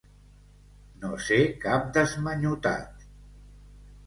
No ser cap desmanyotat.